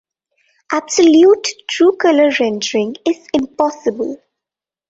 Absolute true-color rendering is impossible.